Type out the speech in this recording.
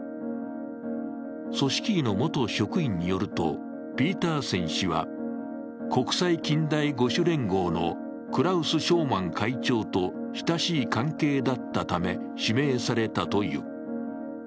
組織委の元職員によると、ピーターセン氏は国際近代五種連合のクラウス・ショーマン会長と親しい関係だったため、指名されたという。